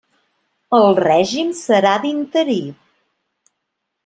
El règim serà d'interí.